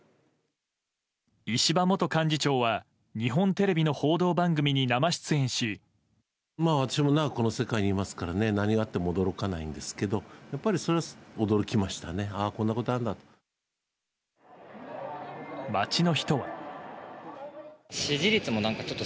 石破元幹事長は、まあ私も長くこの世界にいますからね、何があっても驚かないんですけど、やっぱりそれは驚きましたね、ああ、こんなことあるんだと。